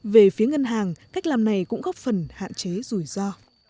về phía ngân hàng cách làm này cũng góp phần hạn chế rủi ro